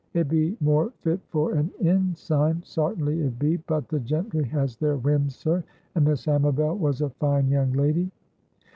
It be more fit for an inn sign, sartinly, it be, but the gentry has their whims, sir, and Miss Amabel was a fine young lady.